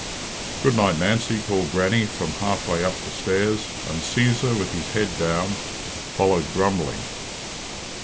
"Good night, Nancy," called Grannie, from half way up the stairs, and Cæsar, with his head down, followed grumbling.